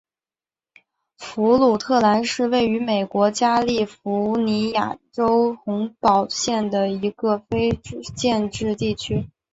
弗鲁特兰是位于美国加利福尼亚州洪堡县的一个非建制地区。